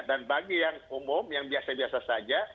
dan bagi yang umum yang biasa biasa saja